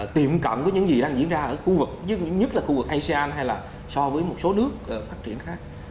tiềm cận với những gì đang diễn ra ở khu vực nhất là khu vực asean hay là so với một số nước phát triển khác